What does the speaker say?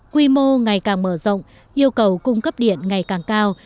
quy mô ngày càng mở rộng yêu cầu cung cấp điện ngày càng cao